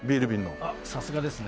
あっさすがですね。